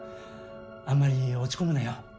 あんまり落ち込むなよ。